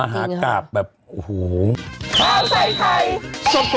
อืม